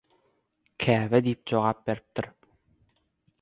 «Käbä» diýip jogap beripdir.